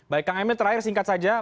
baik kang emil terakhir singkat saja